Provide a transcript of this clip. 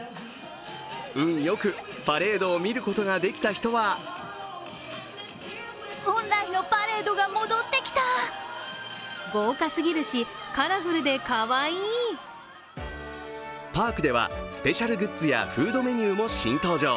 運良くパレードを見ることができた人はパークではスペシャルグッズやフードメニューも新登場。